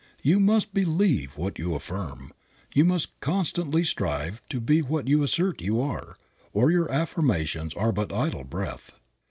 You must believe what you affirm; you must constantly strive to be what you assert you are, or your affirmations are but idle breath.